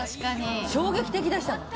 衝撃的でしたもん。